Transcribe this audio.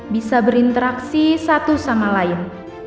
bisa berinteraksi satu sama lain